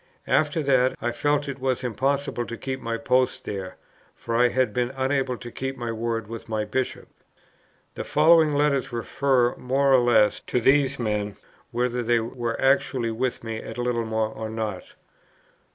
After that, I felt it was impossible to keep my post there, for I had been unable to keep my word with my Bishop. The following letters refer, more or less, to these men, whether they were actually with me at Littlemore or not: 1.